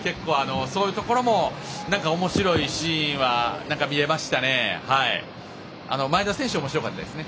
そういうところもおもしろいシーンは見られましたね。